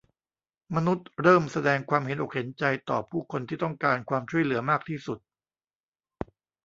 มนุษย์เริ่มแสดงความเห็นอกเห็นใจต่อผู้คนที่ต้องการความช่วยเหลือมากที่สุด